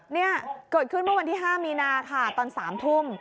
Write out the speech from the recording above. เนี่ยเกิดขึ้นเมื่อวันที่๕มีนาค่ะตอน๓ทุ่ม